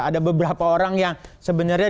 ada beberapa orang yang sebenarnya